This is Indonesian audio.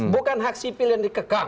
bukan hak sifil yang dikekang